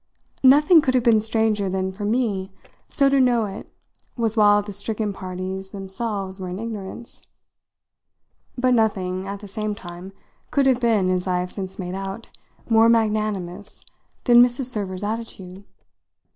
Nothing could have been stranger than for me so to know it was while the stricken parties themselves were in ignorance; but nothing, at the same time, could have been, as I have since made out, more magnanimous than Mrs. Server's attitude.